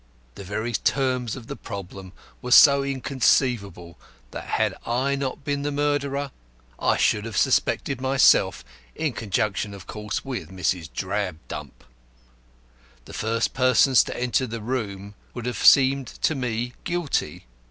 The very terms of the problem were so inconceivable that, had I not been the murderer, I should have suspected myself, in conjunction, of course, with Mrs. Drabdump. The first persons to enter the room would have seemed to me guilty.